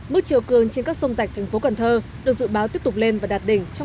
mức chiều cường trên các sông rạch thành phố cần thơ được dự báo tiếp tục lên và đạt đỉnh trong